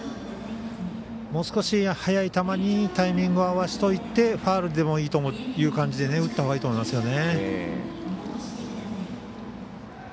もう少し速い球にタイミングを合わせておいてファウルでもいいという感じで打ったほうがいいと思います。